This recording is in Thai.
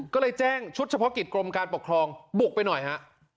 ก็เลยแจ้งชุดเฉพาะกิจกรมการปกครองบุกไปหน่อยฮะ